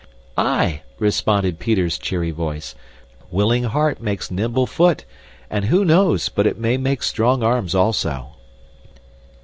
"Aye," responded Peter's cheery voice, "willing heart makes nimble foot and who knows, but it may make strong arms also."